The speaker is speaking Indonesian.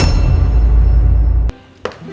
apa itu jessy